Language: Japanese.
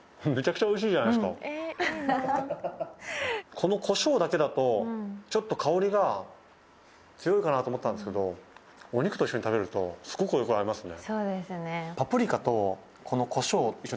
この胡椒だけだとちょっと香りが強いかなと思ったんですけどお肉と一緒に食べるとすごくよく合いますね。